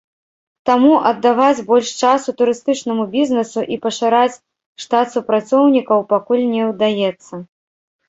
Таму аддаваць больш часу турыстычнаму бізнесу і пашыраць штат супрацоўнікаў пакуль не ўдаецца.